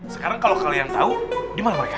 sekarang kalau kalian tahu dimana mereka